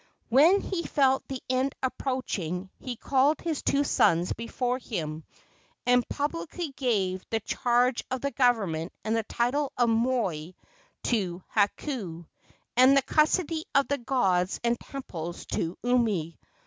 When he felt the end approaching he called his two sons before him, and publicly gave the charge of the government and title of moi to Hakau, and the custody of the gods and temples to Umi.